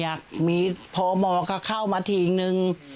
ไม่มีพอหมอก็เข้ามาทีหนึ่ง